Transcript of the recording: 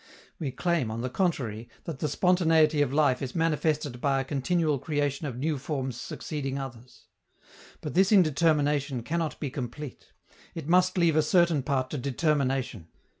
We claim, on the contrary, that the spontaneity of life is manifested by a continual creation of new forms succeeding others. But this indetermination cannot be complete; it must leave a certain part to determination.